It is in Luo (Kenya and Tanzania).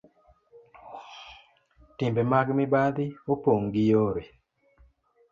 Timbe mag mibadhi opong ' gi yore